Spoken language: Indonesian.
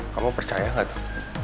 kamu percaya gak tuh